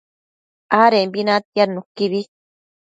adembi natiad nuquibi